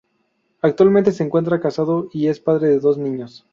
Actualmente se encuentra casado y es padre de dos niños.